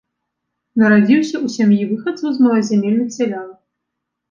Нарадзіўся ў сям'і выхадцаў з малазямельных сялян.